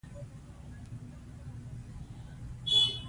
انګریزانو ماتې وخوړه.